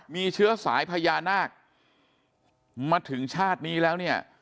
มีเชื้อสายพญานาคมาถึงชาตินี้แล้วเนี่ย